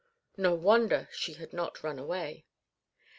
No wonder she had not run away.